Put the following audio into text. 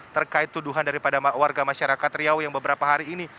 terkait tuduhan daripada warga masyarakat riau yang beberapa hari ini